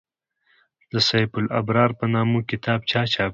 د «سیف الابرار» په نامه کتاب چاپ کړ.